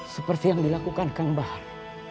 seperti yang dilakukan kang bahar